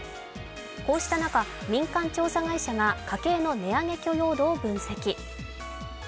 こうした中、民間調査会社が家計の値上げ許容度を分析。